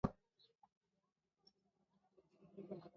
یوه لمسي به غاړه ورکوله او بل به په چمن کې پټېده.